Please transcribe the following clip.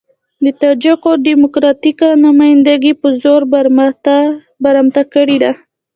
د تاجکو ډيموکراتيکه نمايندګي په زور برمته کړې ده.